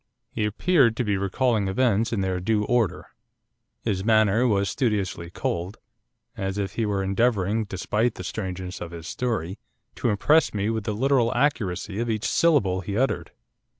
He appeared to be recalling events in their due order. His manner was studiously cold, as if he were endeavouring, despite the strangeness of his story, to impress me with the literal accuracy of each syllable he uttered.